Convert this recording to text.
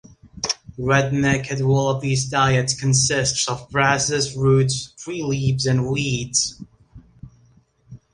Red-necked wallabies diets consists of grasses, roots, tree leaves, and weeds.